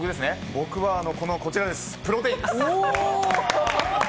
僕はこちらです、プロテインです。